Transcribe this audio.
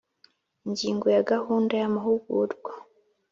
Ingingo ya Gahunda y amahugurwa